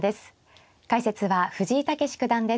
解説は藤井猛九段です。